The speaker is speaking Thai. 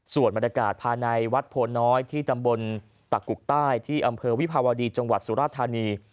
ส่วนบรรยากาศภายในวัดโพน้อยที่ตำบลตะกุกใต้ที่อำเภอวิภาวดีจังหวัดสุราธานี